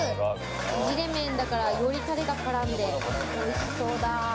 ちぢれ麺だから、よりタレが絡んでおいしそうだ。